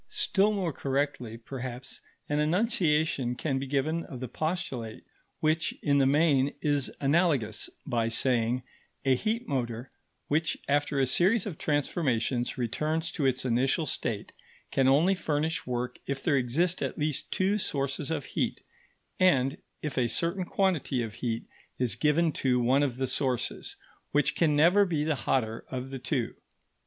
Still more correctly, perhaps, an enunciation can be given of the postulate which, in the main, is analogous, by saying: A heat motor, which after a series of transformations returns to its initial state, can only furnish work if there exist at least two sources of heat, and if a certain quantity of heat is given to one of the sources, which can never be the hotter of the two.